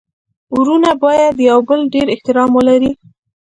ورونه باید يو د بل ډير احترام ولري.